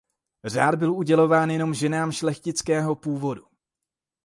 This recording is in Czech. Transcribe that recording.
Řád byl udělován jenom ženám šlechtického původu.